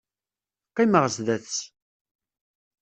Qqimeɣ zdat-s.